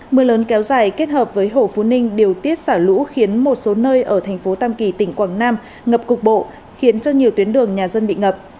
mưa lớn kéo dài kết hợp với hồ phú ninh điều tiết xả lũ khiến một số nơi ở thành phố tam kỳ tỉnh quảng nam ngập cục bộ khiến cho nhiều tuyến đường nhà dân bị ngập